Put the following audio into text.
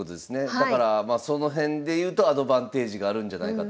だからその辺でいうとアドバンテージがあるんじゃないかと。